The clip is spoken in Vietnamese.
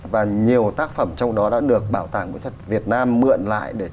và nhiều tác phẩm trong đó đã được bảo tàng nguyên thật việt nam mượn lại